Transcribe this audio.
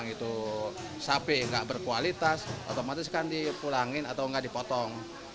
itu sapi gak berkualitas otomatis kan dipulangin atau enggak dipotong